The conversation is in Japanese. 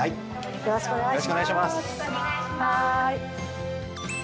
よろしくお願いします。